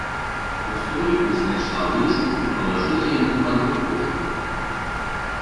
У століку знайшла лыжку і палажыла яму пад рукою.